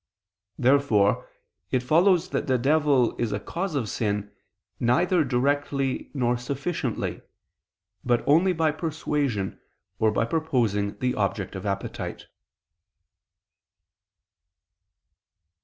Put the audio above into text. Therefore it follows that the devil is a cause of sin, neither directly nor sufficiently, but only by persuasion, or by proposing the object of appetite.